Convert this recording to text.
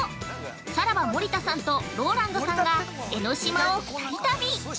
さらば森田さんとＲＯＬＡＮＤさんが江の島を２人旅。